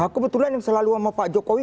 kebetulan yang selalu sama pak jokowi